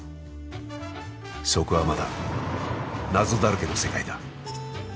そこはまだ謎だらけの世界だ。